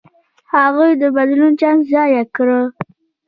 هغوی د بدلون چانس ضایع کړ.